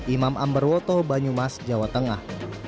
imam amber woto banyumas jawa tengah